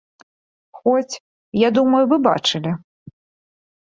Хоць, я думаю, вы бачылі.